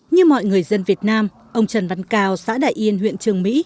như mọi người dân việt nam ông trần văn cao xã đại yên huyện trường mỹ